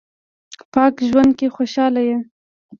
پاک ژوند کې خوشاله یم